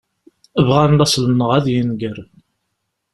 Bɣan laṣel-nneɣ ad yenger.